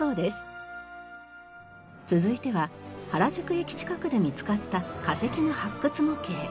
続いては原宿駅近くで見つかった化石の発掘模型。